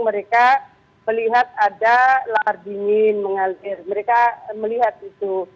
mereka melihat ada lahar dingin mengalir mereka melihat itu